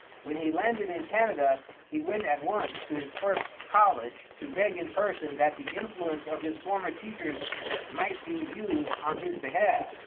When he landed in Canada he went at once to his first college to beg in person that the influence of his former teachers might be used on his behalf.